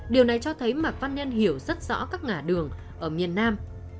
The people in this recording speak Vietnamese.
điều này cho thấy mạc văn nhân hiểu rất rõ các ngã đường ở miền nam